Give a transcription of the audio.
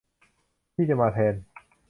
ที่จะมาแทน